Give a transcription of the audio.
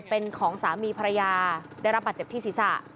เป็นของสามีภรรยาได้รับบาดเจ็บที่ศีรษะ